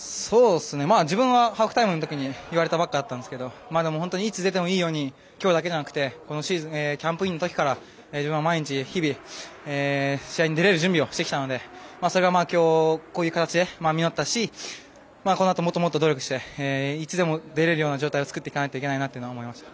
自分はハーフタイムに言われたばっかりだったんですが本当にいつ出てもいいように今日だけでなくキャンプインの時から自分は毎日、日々試合に出られる準備をしてきたのでそれが今日こういう形で実ったしこのあと、もっともっと努力していつでも出れるような状態を作っていかなければいけないなと思いました。